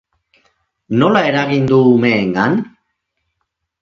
Nola eragin du umeengan?